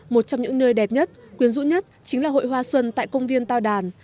một trong những nơi đẹp nhất quyến rũ nhất chính là hội hoa xuân tại công viên tao đàn